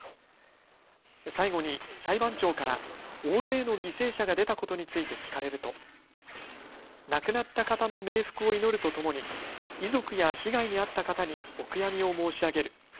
最後に裁判長から大勢の犠牲者が出たことについて聞かれると亡くなった方の冥福を祈るとともに遺族や被害に遭った方にお悔やみを申し上げる。